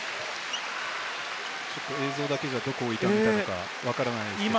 映像だけじゃ、どこを痛めたのかわからないですけれども。